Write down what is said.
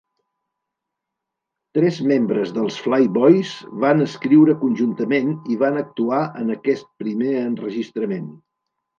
Tres membres dels Flyboys van escriure conjuntament i van actuar en aquest primer enregistrament.